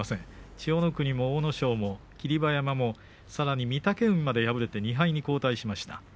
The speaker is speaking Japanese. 千代の国も阿武咲も霧馬山もさらに御嶽海も敗れて２敗に後退しました。